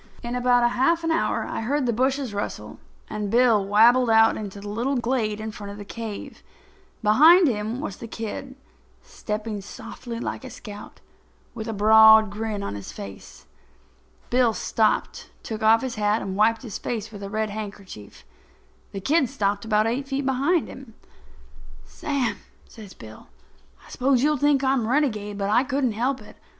In about half an hour I heard the bushes rustle, and Bill wabbled out into the little glade in front of the cave. Behind him was the kid, stepping softly like a scout, with a broad grin on his face. Bill stopped, took off his hat and wiped his face with a red handkerchief. The kid stopped about eight feet behind him. "Sam," says Bill, "I suppose you'll think I'm a renegade, but I couldn't help it.